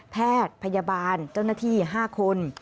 แพทย์พยาบาลเจ้าหน้าที่๕คน